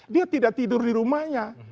dia tidak tidur di rumahnya